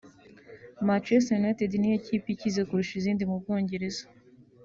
Manchester United niyo kipe ikize kurusha izindi mu Bwongereza